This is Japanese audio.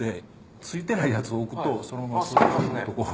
付いてないやつを置くとそんままスっと。